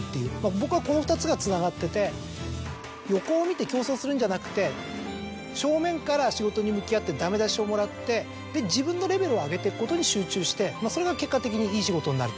僕はこの２つがつながってて横を見て競争するんじゃなくて正面から仕事に向き合ってダメ出しをもらって自分のレベルを上げていくことに集中してそれが結果的にいい仕事になる。